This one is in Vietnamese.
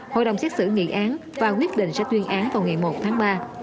hội đồng xét xử nghị án và quyết định sẽ tuyên án vào ngày một tháng ba